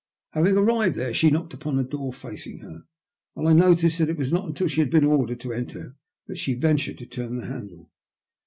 Having arrived there, she knocked upon a door facing her; and I noticed that it was not until she had been ordered to enter that she ventured to turn the handle.